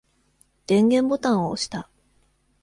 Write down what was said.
電源ボタンを押した。